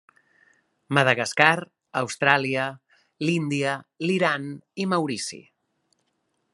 Madagascar, Austràlia, l'Índia, l'Iran i Maurici.